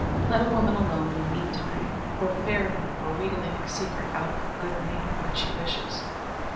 Let a woman alone, in the meantime, for ferreting or wheedling a secret out of her good man, when she wishes.